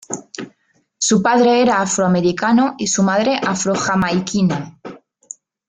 Su padre era afroamericano y su madre afro-jamaiquina.